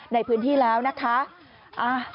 ในพื้นที่แล้วนะคะ